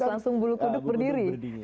langsung bulu kuduk berdiri